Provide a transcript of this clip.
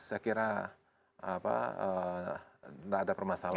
saya kira tidak ada permasalahan